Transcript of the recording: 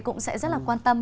cũng sẽ rất là quan tâm